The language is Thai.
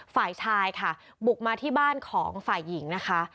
ฝ่ายชายค่ะบุกมาที่บ้านของฝ่ายหญิงนะคะ